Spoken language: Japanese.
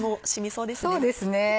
そうですね。